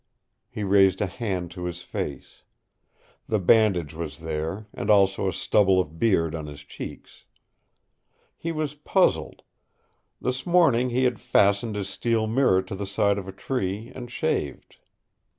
He raised a hand to his face. The bandage was there, and also a stubble of beard on his cheeks. He was puzzled. This morning he had fastened his steel mirror to the side of a tree and shaved.